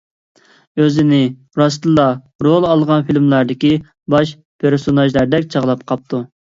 ئۆزىنى راستتىنلا رول ئالغان فىلىملاردىكى باش پېرسوناژدەك چاغلاپ قاپتۇ.